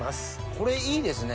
これいいですね。